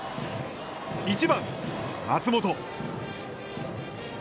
１番松本。